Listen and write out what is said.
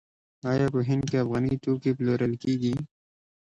آیا په هند کې افغاني توکي پلورل کیږي؟